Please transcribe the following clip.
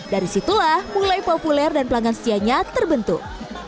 dari situlah mulai populer dan pelanggan setianya terbentuk